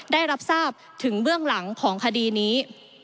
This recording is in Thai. ได้รับทราบถึงเบื้องหลังของคดีนี้